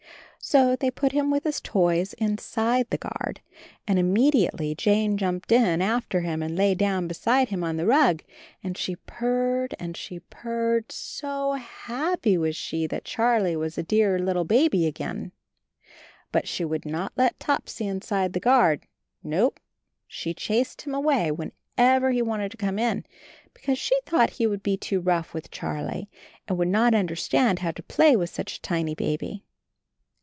So they put him with his toys inside the guard, and immediately Jane jumped in after him and lay down be side him on the rug, and she purred and she purred, so happy was she that Charlie was a dear little baby again. But she would not let Topsy inside the guard; no, she chased him away whenever he wanted to come in, because she thought he would be rough with Charlie and would not understand how to play with such a tiny baby.